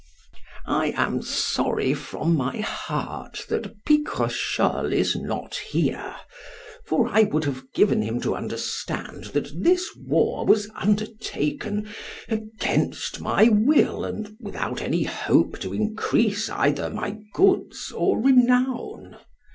I am sorry from my heart that Picrochole is not here; for I would have given him to understand that this war was undertaken against my will and without any hope to increase either my goods or renown.